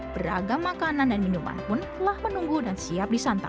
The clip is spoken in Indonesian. beragam makanan dan minuman pun telah menunggu dan siap disantap